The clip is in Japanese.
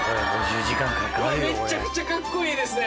うわめちゃくちゃカッコいいですね。